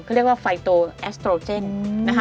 เขาเรียกว่าไฟโตแอสโตรเจนนะคะ